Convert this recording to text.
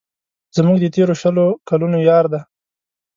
زموږ د تېرو شلو کلونو یار دی.